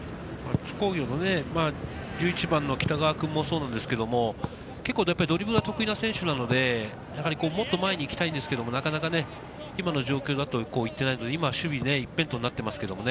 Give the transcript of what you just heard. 津工業の１１番の北川君もそうですけれども、ドリブルが得意な選手なので、もっと前に行きたいんですけれども、なかなか今の状況だと行っていないので、今は守備一辺倒になっていますけどね。